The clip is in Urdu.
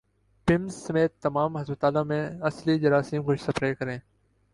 پمز سمیت تمام ھسپتالوں میں اصلی جراثیم کش سپرے کریں